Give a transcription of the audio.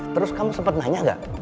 terus kamu sempet nanya gak